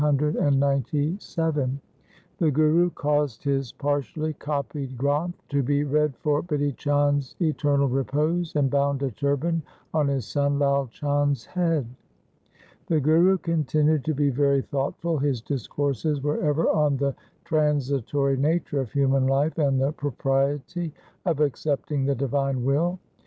The Guru caused his partially copied Granth to be read for Bidhi Chand's eternal repose, and bound a turban on his son Lai Chand's head. The Guru continued to be very thoughtful. His discourses were ever on the transitory nature of human life and the propriety of accepting the divine will.